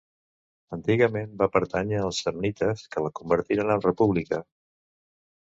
Antigament va pertànyer als Samnites que la convertiren en República.